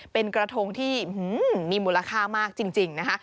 เป็นกระทงที่มีมูลค่ามากจริงนะคะ